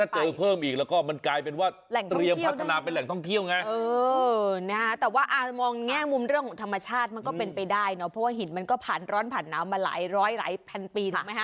ที่คนคนิยมไป